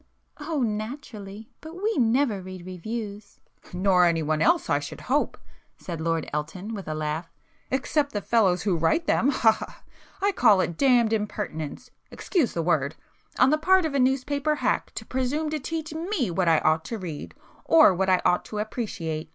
"Oh, naturally! But we never read reviews." "Nor anyone else I should hope,"—said Lord Elton with a laugh—"except the fellows who write them, ha—ha—ha! I call it damned impertinence—excuse the word—on the part of a newspaper hack to presume to teach me what I ought to read, or what I ought to appreciate.